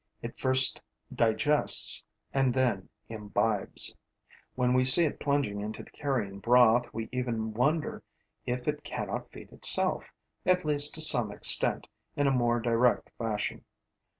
It first digests and then imbibes. When we see it plunging into the carrion broth, we even wonder if it cannot feed itself, at least to some extent, in a more direct fashion.